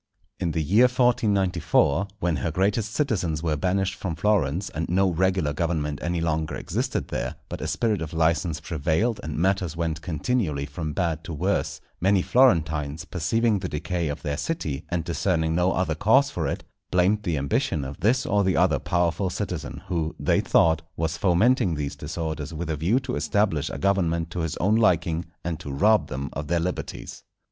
In the year 1494, when her greatest citizens were banished from Florence, and no regular government any longer existed there, but a spirit of licence prevailed, and matters went continually from bad to worse, many Florentines perceiving the decay of their city, and discerning no other cause for it, blamed the ambition of this or the other powerful citizen, who, they thought, was fomenting these disorders with a view to establish a government to his own liking, and to rob them of their liberties.